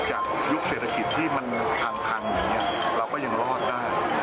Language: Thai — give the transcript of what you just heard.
ยุคเศรษฐกิจที่มันพังอย่างนี้เราก็ยังรอดได้